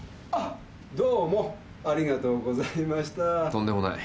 とんでもない。